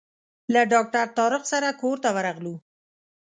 له ډاکټر طارق سره کور ته ورغلو.